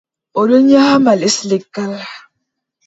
O ɗon nyaama les leggal.